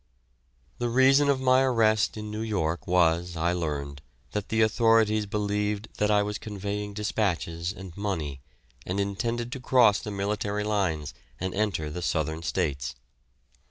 The reason of my arrest in New York was, I learned, that the authorities believed that I was conveying despatches and money and intended to cross the military lines and enter the Southern States.